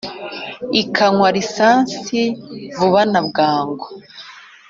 Ikanywa lisansi vuba na bwangu